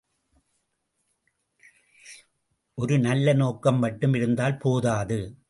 ஒரு நல்ல நோக்கம் மட்டும் இருந்தால் போதாது.